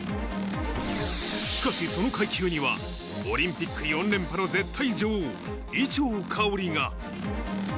しかし、その階級には、オリンピック４連覇の絶対女王、伊調馨が。